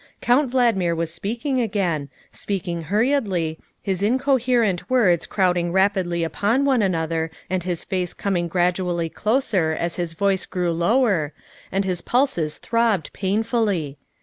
Count Valdmir was speaking again, speaking hur riedly, his incoherent words crowding rapidly upon one another and his face coming gradually closer as his voice grew lower, and his pulses throbbed painfully.